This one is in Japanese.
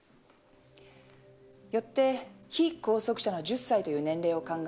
よって被拘束者の１０歳という年齢を考え